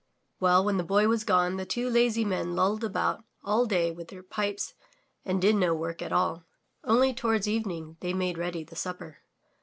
Well, when the Boy was gone, the two lazy Men lolled about all day with their pipes and did no work at all; only towards evening they made ready the supper.